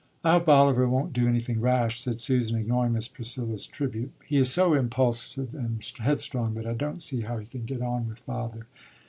"I hope Oliver won't do anything rash," said Susan, ignoring Miss Priscilla's tribute. "He is so impulsive and headstrong that I don't see how he can get on with father."